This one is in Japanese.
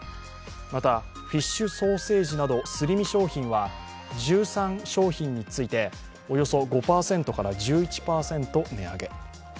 また、フィッシュソーセージなどすり身商品は１３商品についておよそ５％から１１％値上げ。